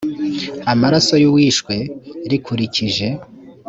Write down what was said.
amaraso y uwishwe rikurikije